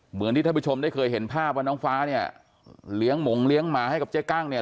เหมือนที่ท่านผู้ชมได้เคยเห็นภาพว่าน้องฟ้าเนี่ยเลี้ยงหมงเลี้ยงหมาให้กับเจ๊กั้งเนี่ย